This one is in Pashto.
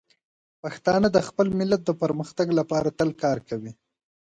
پښتانه د خپل ملت د پرمختګ لپاره تل کار کوي.